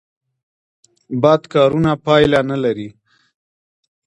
بد کارونه پایله نلري